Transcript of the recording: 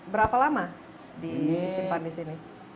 berapa lama disimpan di sini